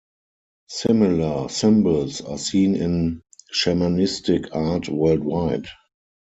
Similar symbols are seen in shamanistic art worldwide.